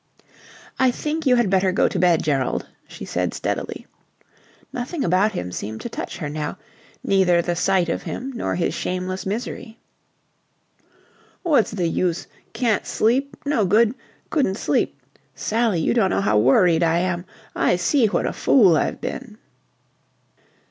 "I think you had better go to bed, Gerald," she said steadily. Nothing about him seemed to touch her now, neither the sight of him nor his shameless misery. "What's the use? Can't sleep. No good. Couldn't sleep. Sally, you don't know how worried I am. I see what a fool I've been."